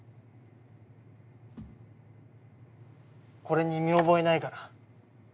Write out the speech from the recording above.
これに見覚えないかな？